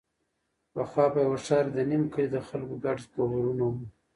پخوا په یوه ښاره کې د نیم کلي د خلکو ګډ کورونه وو.